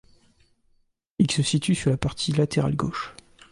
Ils se situent sur la partie latérale gauche.